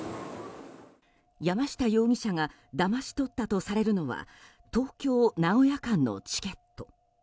山下容疑者がだまし取ったとされるのは東京名古屋間のチケット。